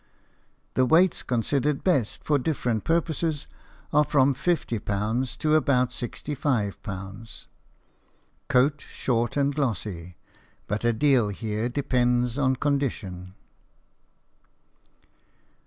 The weights considered best for different purposes are from fifty pounds to about sixty five pounds. Coat short and glossy, but a deal here depends on condition.